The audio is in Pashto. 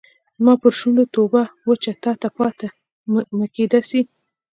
زما پر شونډو توبه وچه تاته پاته میکده سي